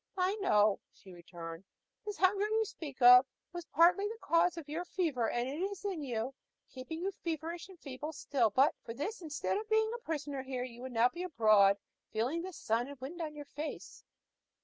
"I know it," she returned. "This hunger you speak of was partly the cause of your fever, and it is in you, keeping you feverish and feeble still; but for this, instead of being a prisoner here, you would now be abroad, feeling the sun and wind on your face."